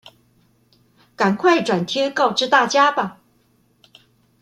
趕快轉貼告知大家吧！